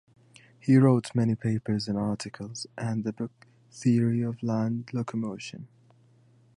He wrote many papers and articles, and the book "Theory of Land Locomotion".